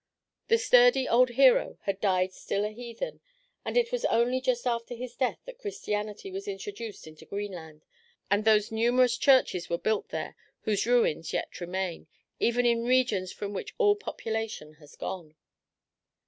The sturdy old hero had died still a heathen, and it was only just after his death that Christianity was introduced into Greenland, and those numerous churches were built there whose ruins yet remain, even in regions from which all population has gone.